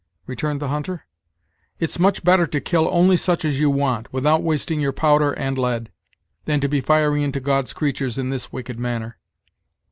returned the hunter. "It's much better to kill only such as you want, without wasting your powder and lead, than to be firing into God's creatures in this wicked manner.